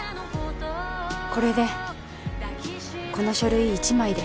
これでこの書類一枚で